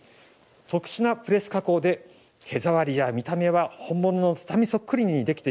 特殊なプレス加工で手触りや見た目は本物の畳そっくりにできています。